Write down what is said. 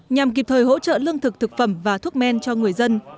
nhằm kịp thời hỗ trợ lương thực thực phẩm và thuốc men cho người dân